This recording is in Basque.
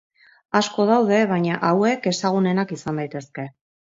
Asko daude baina hauek ezagunenak izan daitezke.